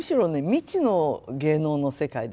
未知の芸能の世界です。